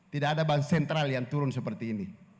tidak ada bank sentral yang turun seperti ini